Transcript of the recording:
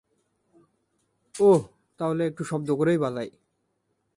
ওহ, তাহলে একটু শব্দ করেই বাজাই।